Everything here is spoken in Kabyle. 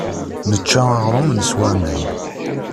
Nečča aɣrum, neswa aman.